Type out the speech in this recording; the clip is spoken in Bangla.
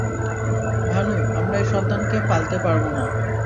ভানু, আমরা এই সন্তানকে পালতে পারব না।